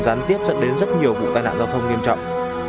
gián tiếp dẫn đến rất nhiều vụ tai nạn giao thông nghiêm trọng